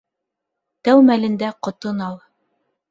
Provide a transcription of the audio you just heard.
Тәү мәлендә ҡотон ал.